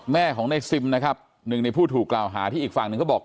แม่ของในซิมนะครับหนึ่งในผู้ถูกกล่าวหาที่อีกฝั่งหนึ่งก็บอก